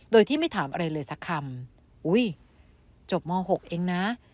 โดยที่ไม่ถามอะไรเลยสักคำอุ้ยจบม๖เองนะ